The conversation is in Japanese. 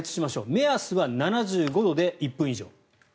目安は７５度で１分以上。